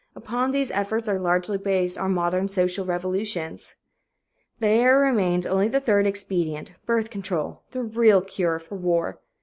Upon these efforts are largely based our modern social revolutions. There remains only the third expedient birth control, the real cure for war.